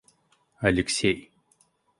Алексей